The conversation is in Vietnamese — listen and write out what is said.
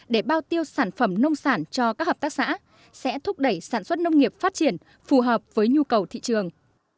để bao tiêu sản phẩm nông sản cho các hợp tác xã sẽ thúc đẩy sản xuất nông nghiệp phát triển phù hợp với nhu cầu thị trường